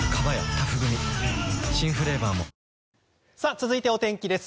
続いては、お天気です。